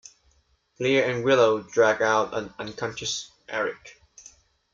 Giles and Willow drag out an unconscious Eric.